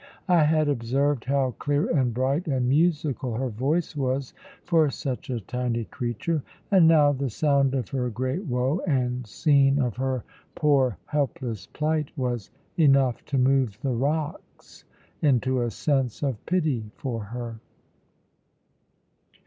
I had observed how clear and bright and musical her voice was for such a tiny creature; and now the sound of her great woe, and scene of her poor helpless plight, was enough to move the rocks into a sense of pity for her.